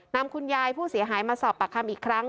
นำคุณยายผู้เสียหายมาสอบปากคำอีกครั้ง